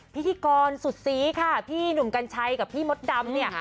พิธีกรสุดซีค่ะพี่หนุ่มกัญชัยกับพี่มดดำเนี่ย